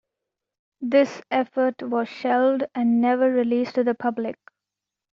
This effort was shelved and never released to the public.